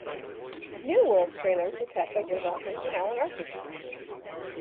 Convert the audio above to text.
New World's trailers were cut by Joe Dante and Alan Arkush.